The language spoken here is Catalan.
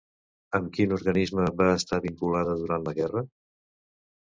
Amb quin organisme va estar vinculada durant la Guerra?